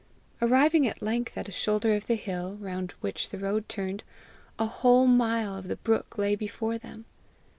Arriving at length at a shoulder of the hill round which the road turned, a whole mile of the brook lay before them.